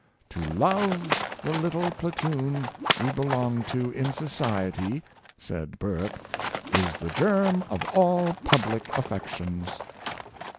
" To love the little platoon we belong to in society," said Lurke, " is the germ of all public affections."